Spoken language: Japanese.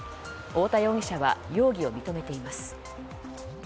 太田容疑者は容疑を認めています。